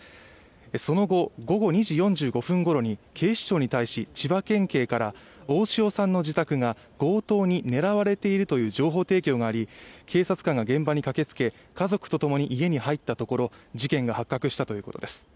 その後、午後２時４５分ごろに警視庁に対し千葉県警から大塩さんの自宅が強盗に狙われているという情報提供があり、警察官が現場に駆けつけ家族とともに家に入ったところ事件が発覚したということです。